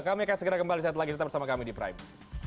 kami akan segera kembali setelah kita bersama kami di prime